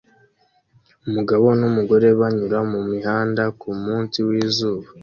Umugabo numugore banyura mumihanda kumunsi wizuba